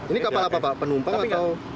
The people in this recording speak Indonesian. ini kapal apa pak penumpang atau